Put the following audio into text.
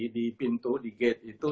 di pintu di gate itu